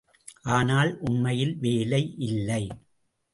ஆனால், உண்மையில் வேலை இல்லை.